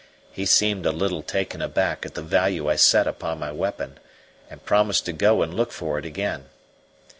He seemed a little taken aback at the value I set upon my weapon, and promised to go and look for it again.